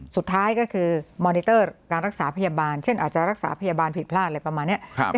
สุดท้ายก็คือมอนิเตอร์การรักษาพยาบาลเช่นอาจจะรักษาพยาบาลผิดพลาดอะไรประมาณนี้